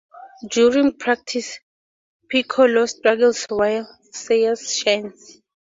During practice, Piccolo struggles while Sayers shines.